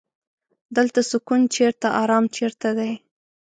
دلته سکون چرته ارام چرته دی.